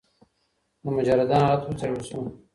د مجردانو حالت وڅیړل سو.